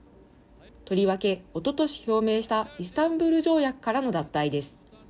とりわけ、おととし表明したイスタンブール条約からの脱退です。